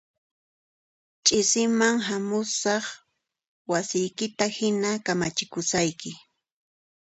Ch'isiman hamusaq wasiykita hina kamachikusayki